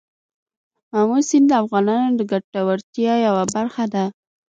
آمو سیند د افغانانو د ګټورتیا یوه برخه ده.